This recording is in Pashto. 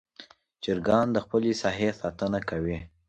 چرګان د خپل ساحې ساتنه کوي.